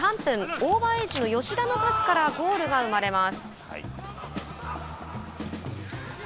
オーバーエイジの吉田のパスからゴールが生まれます。